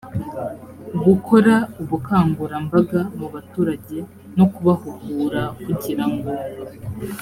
gukora ubukangurambaga mu baturage no kubahugura kugira ngo